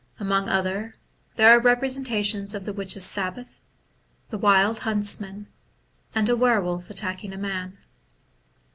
Among other, there are representations of the Witches* Sabbath, the Wild Huntsman, and a Were wolf attacking a Man.